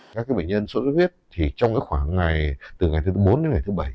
các bệnh nhân sốt huyết thì trong khoảng ngày từ ngày thứ bốn đến ngày thứ bảy